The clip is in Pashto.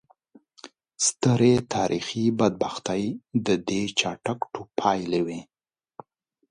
سترې تاریخي بدبختۍ د دې چټک ټوپ پایلې وې.